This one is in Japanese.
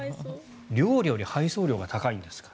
料理より配送料が高いんですから。